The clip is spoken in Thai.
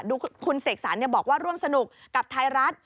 คุณเสกสรรบอกว่าร่วมสนุกกับไทยรัฐ